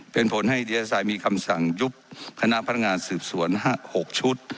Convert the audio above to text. เป็นผลให้ดีอาทัยมีคำสั่งยุบคณะพนักงานสืบสวน๖ชุด